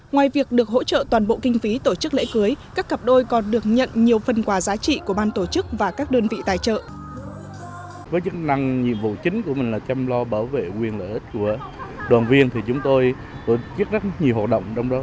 ngoài việc được hỗ trợ toàn bộ kinh phí tổ chức lễ cưới các cặp đôi còn được nhận nhiều phần quà giá trị của ban tổ chức và các đơn vị tài trợ